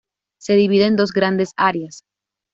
Se divide en dos grandes áreas.